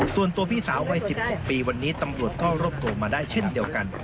ส่วนตัวพี่สาววัย๑๖ปีวันนี้ตำรวจก็รวบตัวมาได้เช่นเดียวกัน